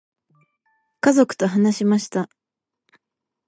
家族と話しました。